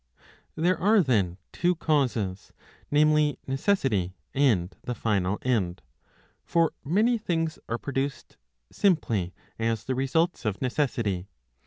^^ There are then two causes, namely, necessity and the final end. For many things are produced, simply as the results of necessity.